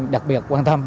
đặc biệt quan tâm